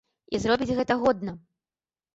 І зробіць гэта годна.